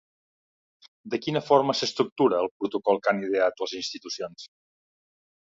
De quina forma s'estructura el protocol que han ideat les institucions?